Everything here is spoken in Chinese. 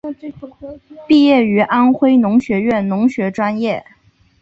毕业于安徽农学院农学专业。